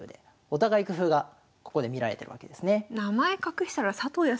お互い工夫がここで見られてるわけですね。